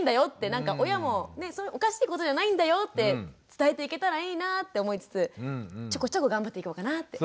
なんか親もねおかしいことじゃないんだよって伝えていけたらいいなぁって思いつつちょこちょこ頑張っていこうかなって。